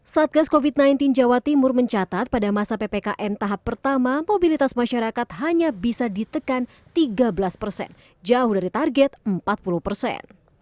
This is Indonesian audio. satgas covid sembilan belas jawa timur mencatat pada masa ppkm tahap pertama mobilitas masyarakat hanya bisa ditekan tiga belas persen jauh dari target empat puluh persen